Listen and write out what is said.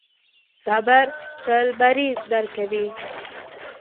صبر تل بری درکوي.